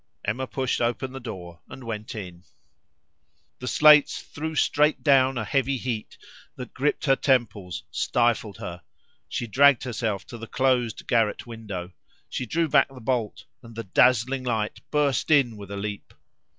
Emma pushed open the door and went in. The slates threw straight down a heavy heat that gripped her temples, stifled her; she dragged herself to the closed garret window. She drew back the bolt, and the dazzling light burst in with a leap.